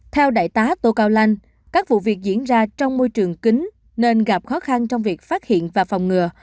theo đại tá tô cao lanh các vụ việc diễn ra trong môi trường kính nên gặp khó khăn trong việc phát hiện và phòng ngừa